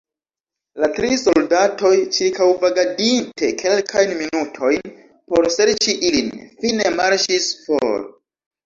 La tri soldatoj, ĉirkaŭvagadinte kelkajn minutojn por serĉi ilin, fine marŝis for.